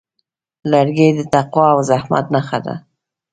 لرګی د تقوا او زحمت نښه ده.